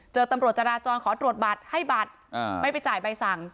เจอตำรวจจราจรขอตรวจบัตรให้บัตรไม่ไปจ่ายใบสั่ง